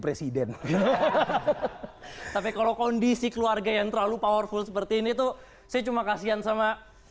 presiden tapi kalau kondisi keluarga yang terlalu powerful seperti ini tuh saya cuma kasihan sama